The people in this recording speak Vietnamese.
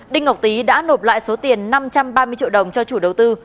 đinh ngọc tý đã nộp lại số tiền năm trăm ba mươi triệu đồng cho chủ đầu tư